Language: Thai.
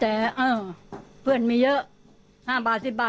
แต่เพื่อนมีเยอะ๕บาท๑๐บาทกูก็เมาแล้ว